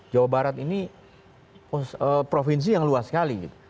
jawa barat ini provinsi yang luas sekali gitu